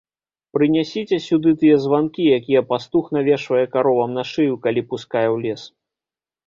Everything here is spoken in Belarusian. Прынясіце сюды тыя званкі, якія пастух навешвае каровам на шыю, калі пускае ў лес.